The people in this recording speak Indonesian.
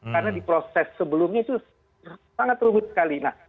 karena di proses sebelumnya itu sangat rumit sekali